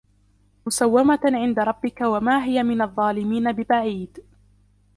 مُسَوَّمَةً عِنْدَ رَبِّكَ وَمَا هِيَ مِنَ الظَّالِمِينَ بِبَعِيدٍ